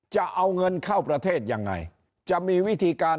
จะเอาเงินเข้าประเทศยังไงจะมีวิธีการ